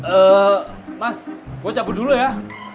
eh mas gue cabut dulu ya